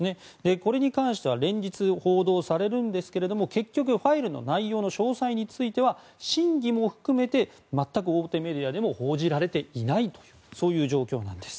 これに関しては連日、報道されるんですが結局ファイルの内容の詳細については真偽も含めて全く大手メディアでも報じられていないという状況なんです。